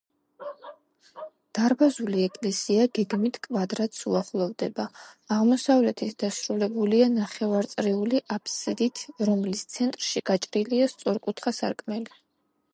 დარბაზული ეკლესია გეგმით კვადრატს უახლოვდება, აღმოსავლეთით დასრულებულია ნახევარწრიული აბსიდით, რომლის ცენტრში გაჭრილია სწორკუთხა სარკმელი.